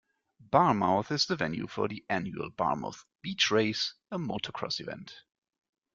Barmouth is the venue for the annual Barmouth Beach Race, a motocross event.